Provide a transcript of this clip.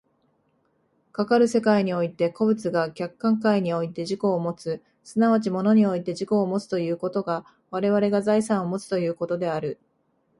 かかる世界において個物が客観界において自己をもつ、即ち物において自己をもつということが我々が財産をもつということである。